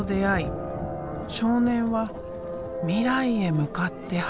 少年は未来へ向かって走りだした。